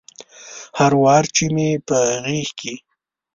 هر وار چې مې په غیږ کې